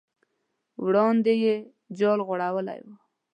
وړاندې یې جال غوړولی و.